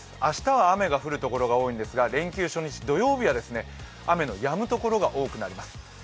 明日は雨が降る所が多いんですが、連休初日、土曜日には雨のやむ所が多くなります。